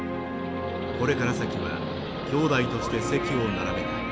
これから先は兄弟として席を並べたい。